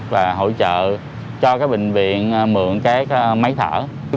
và hỗ trợ cho bệnh viện mượn cái máy thở